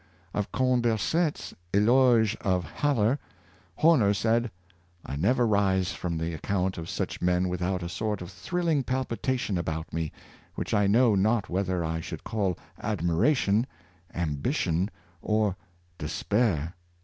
Of Condorcet's " Eloge of Haller," Horner said; "I never rise from the account of such men without a sort of thrilling palpitation about me, which I know not whether I should call admiration, ambition or despair."